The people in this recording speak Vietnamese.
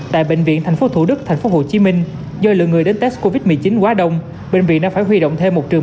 tại bệnh viện thành phố thủ đức thành phố hồ chí minh do lượng người đến test covid một mươi chín quá đông bệnh viện đã phải huy động thêm một trường